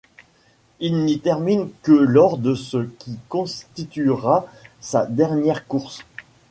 Il n'y termine que lors de ce qui constituera sa dernière course.